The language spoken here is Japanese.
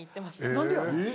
何でや？